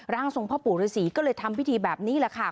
ร่างทรงพ่อปู่ฤษีก็เลยทำพิธีแบบนี้แหละค่ะ